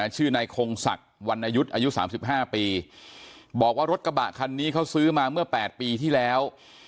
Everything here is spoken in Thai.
ชื่อนายคงศักดิ์วันอายุ๓๕ปีบอกว่ารถกระบะคันนี้เขาซื้อมาเมื่อ๘ปีที่แล้ว